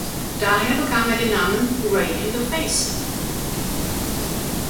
Daher bekam er den Namen Rain in the Face.